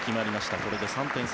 これで３点差。